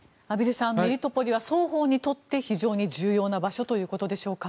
畔蒜さん、メリトポリは双方にとって非常に重要な場所ということでしょうか？